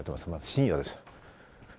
深夜です。